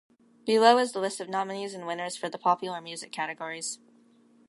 Below is the list of nominees and winners for the popular music categories.